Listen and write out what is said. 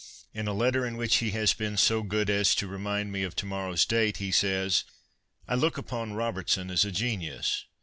In a letter in which he has been so good as to remind me of to morrow's date he says :—" I look upon Robertson as a genius.